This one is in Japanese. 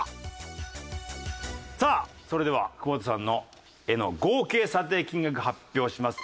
さあそれでは久保田さんの絵の合計査定金額発表します。